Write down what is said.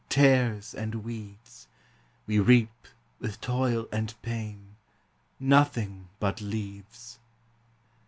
tares and weeds: We reap, with toil and pain, Nothing ~but lea res!